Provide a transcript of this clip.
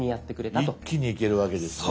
一気にいけるわけですね。